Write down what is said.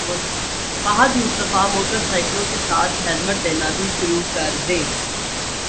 Fahad Mustafa motor سائیکلوں کے ساتھ ہیلمٹ دینا بھی شروع کردیں